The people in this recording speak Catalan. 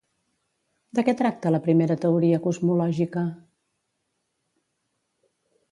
De què tracta la primera teoria cosmològica?